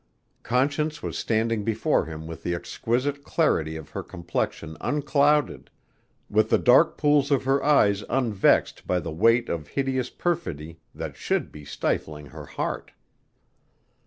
Conscience was standing before him with the exquisite clarity of her complexion unclouded; with the dark pools of her eyes unvexed by the weight of hideous perfidy that should be stifling her heart.